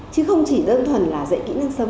chứ không chỉ đơn thuần là dạy kỹ năng sống